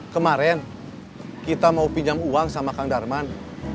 kemarin kita mau pinjam uang sama kang darman